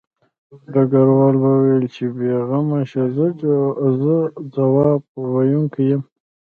ډګروال وویل چې بې غمه شه زه ځواب ویونکی یم